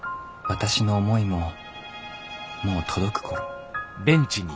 私の思いももう届く頃。